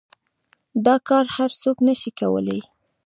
دا كار هر سوك نشي كولاى.